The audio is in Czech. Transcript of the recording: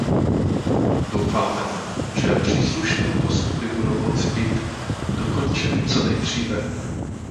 Doufáme, že příslušné postupy budou moci být dokončeny co nejdříve.